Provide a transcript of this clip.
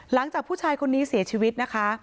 หลังจากผู้ชายคนนี้เสียชีวิตนะคะ